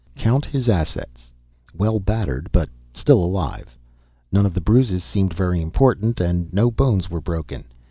Count his assets. Well battered, but still alive. None of the bruises seemed very important, and no bones were broken.